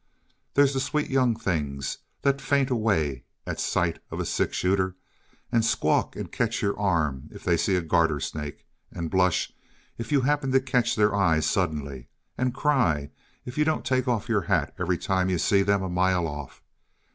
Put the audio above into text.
There's the Sweet Young Things, that faint away at sight of a six shooter, and squawk and catch at your arm if they see a garter snake, and blush if you happen to catch their eye suddenly, and cry if you don't take off your hat every time you see them a mile off."